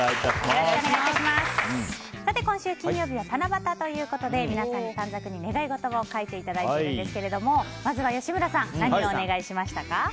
今週の金曜日が七夕ということで皆さんに、短冊に願い事を書いていただいているんですがまずは吉村さん何をお願いしましたか？